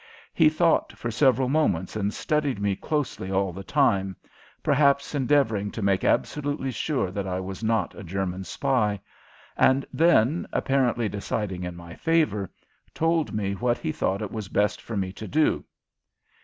He thought for several moments and studied me closely all the time perhaps endeavoring to make absolutely sure that I was not a German spy and then, apparently deciding in my favor, told me what he thought it was best for me to do.